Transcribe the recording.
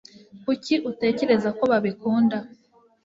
kuki utekereza ko babikunda